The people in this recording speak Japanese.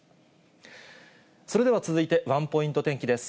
それでは続いてワンポイント天気です。